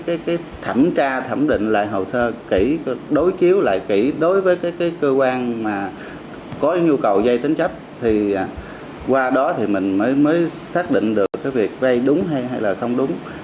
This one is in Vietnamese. nên có cái thẩm tra thẩm định lại hồ sơ kỹ đối chiếu lại kỹ đối với cái cơ quan có nhu cầu vay tín chấp thì có cái cơ quan có nhu cầu vay tính chấp thì qua đó thì mình mới xác định thẩm định lại hồ sơ kỹ đối chiếu lại kỹ đối với cái cơ quan có nhu cầu vay tính chấp thì qua đó thì mình mới xác định